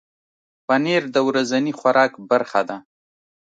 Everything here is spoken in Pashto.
پنېر د ورځني خوراک برخه ده.